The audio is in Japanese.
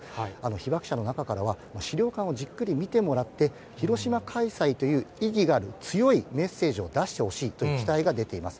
被爆者の中からは、資料館をじっくり見てもらって、広島開催という意義がある強いメッセージを出してほしいという期待が出ています。